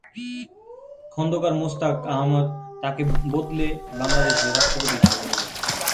খোন্দকার মোস্তাক আহমদ তাকে বদলে বাংলাদেশের রাষ্ট্রপতি হিসাবে নিলেন।